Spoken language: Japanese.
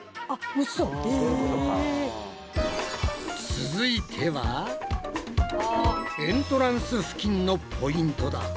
続いてはエントランス付近のポイントだ！